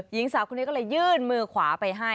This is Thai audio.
หญิงสาวคนนี้ก็เลยยื่นมือขวาไปให้